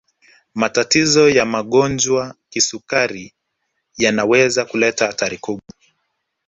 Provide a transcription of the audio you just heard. matatizo ya magonjwa kisukari yanaweza kuleta hatari kubwa